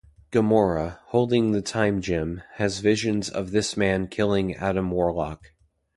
Gamora, holding the Time Gem, has visions of this man killing Adam Warlock.